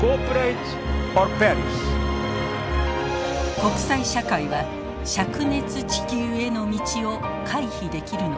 国際社会は灼熱地球への道を回避できるのか。